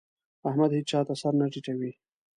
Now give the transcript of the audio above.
احمد هيچا ته سر نه ټيټوي.